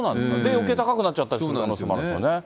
よけい高くなっちゃったりする可能性もあるんですね。